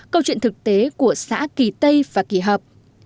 câu chuyện thực tế của xã kỳ tây và kỳ hợp